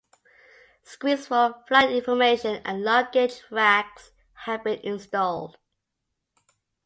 Screens for flight information and luggage racks have been installed.